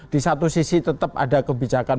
di satu sisi tetap ada kebijakan